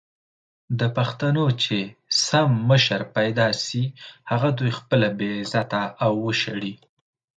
د پښتنو چې سم مشر پېدا سي هغه دوي خپله بې عزته او وشړي!